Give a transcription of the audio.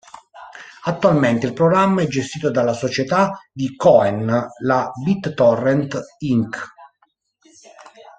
Attualmente il programma è gestito dalla società di Cohen, la BitTorrent, Inc.